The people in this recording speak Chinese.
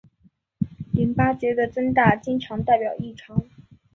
淋巴结的增大经常代表异常。